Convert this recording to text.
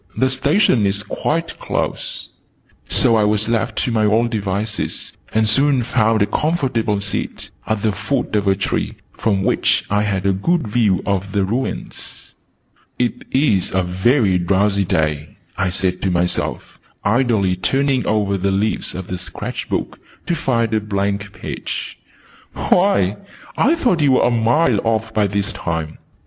"The Station is quite close." So I was left to my own devices, and soon found a comfortable seat, at the foot of a tree, from which I had a good view of the ruins. "It is a very drowsy day," I said to myself, idly turning over the leaves of the sketch book to find a blank page. "Why, I thought you were a mile off by this time!"